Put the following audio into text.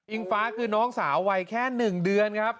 ฟ้าคือน้องสาววัยแค่๑เดือนครับ